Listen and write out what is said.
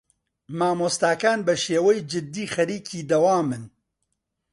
مامۆستاکان بەشێوەی جدی خەریکی دەوامن.